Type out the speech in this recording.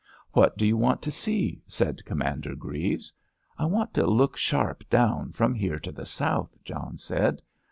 "What do you want to see?" asked Commander Grieves. "I want to look sharp down from here to the south," John said.